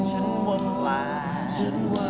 ฉันว่ากลาย